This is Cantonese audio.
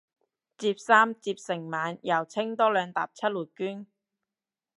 摺衫摺咗成晚又清多兩疊出嚟捐